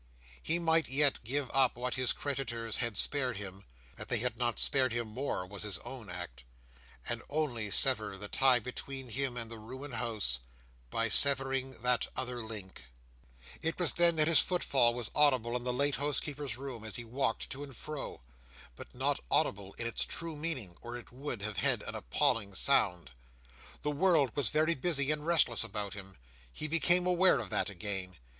He might yet give up what his creditors had spared him (that they had not spared him more, was his own act), and only sever the tie between him and the ruined house, by severing that other link— It was then that his footfall was audible in the late housekeeper's room, as he walked to and fro; but not audible in its true meaning, or it would have had an appalling sound. The world was very busy and restless about him. He became aware of that again.